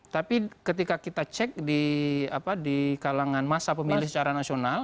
tapi ketika kita cek di kalangan masa pemilih secara nasional